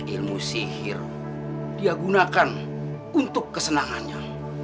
ilmu sihir dia gunakan untuk kesenangannya